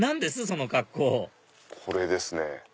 その格好これですね。